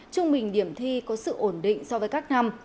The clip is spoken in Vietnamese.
trung bình điểm thi có sự ổn định so với các năm